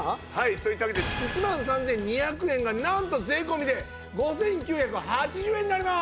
といったわけで１万３２００円がなんと税込で５９８０円になります。